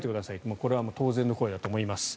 これは当然の声だと思います。